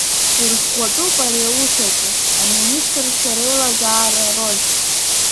Ирӷәӷәатәуп ари аус аҿы Аминистрцәа Реилазаара ароль.